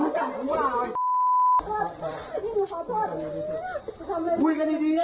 เธอตกใจมากโทรหาพ่อตามมาได้ทันเวลาพอดีเลย